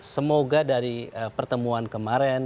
semoga dari pertemuan kemarin